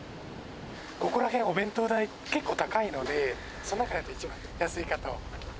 ここら辺、お弁当代、結構高いので、その中で一番安いかと。